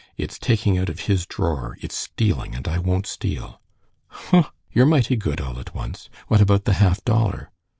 "It's taking out of his drawer. It's stealing, and I won't steal." "Huh! you're mighty good all at once. What about that half dollar?"